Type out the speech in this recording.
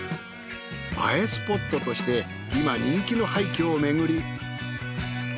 映えスポットとして今人気の廃墟をめぐり。